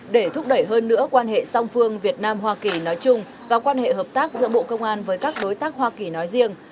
để thúc đẩy hơn nữa quan hệ song phương việt nam hoa kỳ nói chung và quan hệ hợp tác giữa bộ công an với các đối tác hoa kỳ nói riêng